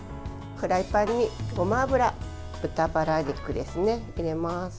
フライパンにごま油、豚バラ肉を入れます。